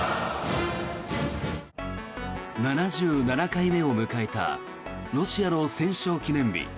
７７回目を迎えたロシアの戦勝記念日。